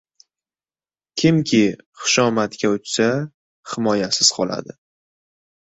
Kimki xushomadga uchsa, himoyasiz qoladi.